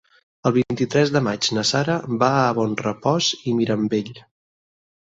El vint-i-tres de maig na Sara va a Bonrepòs i Mirambell.